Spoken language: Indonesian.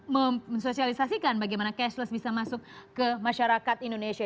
mem sosialisasikan bagaimana cashless bisa masuk ke masyarakat indonesia